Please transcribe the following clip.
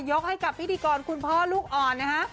ยกให้กับพิธีกรคุณพ่อลูกอ่อนนะฮะ